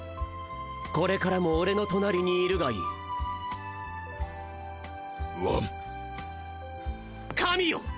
これからも俺の隣にいるがいいワン神よ！